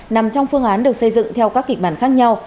nằm trong phương án được xây dựng theo các kịch bản khác nhau